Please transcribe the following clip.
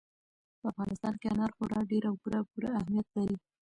په افغانستان کې انار خورا ډېر او پوره پوره اهمیت لري.